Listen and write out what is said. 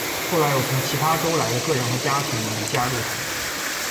后来有从由其他州来的个人和家庭们加入他们。